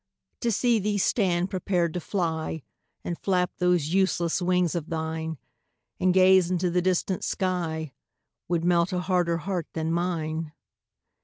To see thee stand prepared to fly, And flap those useless wings of thine, And gaze into the distant sky, Would melt a harder heart than mine.